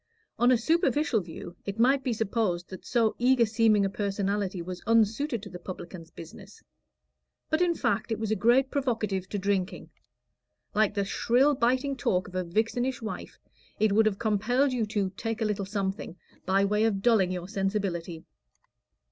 On a superficial view it might be supposed that so eager seeming a personality was unsuited to the publican's business; but in fact, it was a great provocative to drinking. Like the shrill biting talk of a vixenish wife, it would have compelled you to "take a little something" by way of dulling your sensibility.